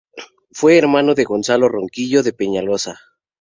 Fue hermano de Gonzalo Ronquillo de Peñalosa.